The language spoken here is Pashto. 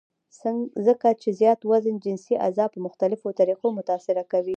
ځکه چې زيات وزن جنسي اعضاء پۀ مختلفوطريقو متاثره کوي -